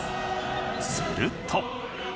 すると。